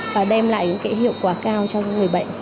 và đem lại hiệu quả cao cho người bệnh